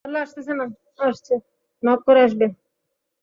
Knock করে আসবে।